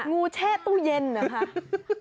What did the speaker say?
แช่ตู้เย็นเหรอคะ